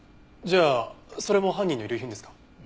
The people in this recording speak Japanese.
じゃあそれも犯人の遺留品ですか？